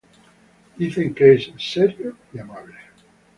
Dicen que es serio y amable.